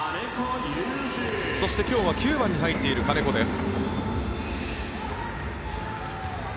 そして今日は９番に入っている金子です。